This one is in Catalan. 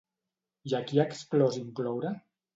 I a qui ha exclòs incloure?